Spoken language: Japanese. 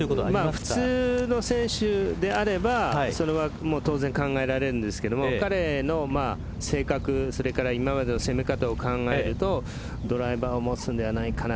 普通の選手であれば当然考えられるんですけど彼の性格、それから今までの攻め方を考えるとドライバーを持つのではないかな。